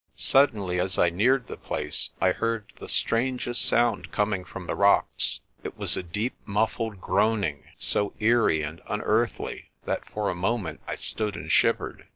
Suddenly, as I neared the place, I heard the strangest sound coming from the rocks. It was a deep muffled groan ing, so eerie and unearthly that for the moment I stood and shivered.